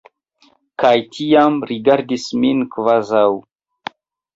Kaj tiam rigardis min kvazaŭ...